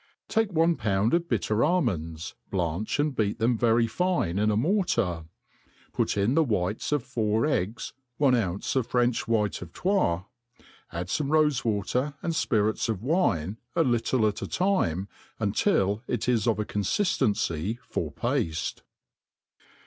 TAKE pne pound of bitter almonds, blanch and beat them very fine in a mortar; put In< the whites of four eggs, one ounce ot French white of Trois ; add iom^ rofe water and ^irits of wincy a little at a time, unti}.it is of a conliftency for pafte.